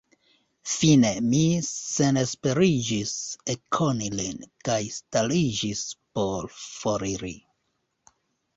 Fine mi senesperiĝis ekkoni lin, kaj stariĝis por foriri.